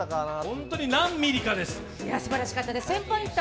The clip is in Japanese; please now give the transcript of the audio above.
本当に何ミリかです。